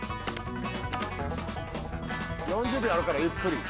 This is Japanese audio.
４０秒あるからゆっくり。